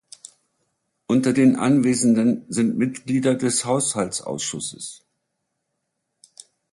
Unter den Anwesenden sind Mitglieder des Haushaltsausschusses.